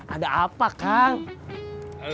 ada apa kal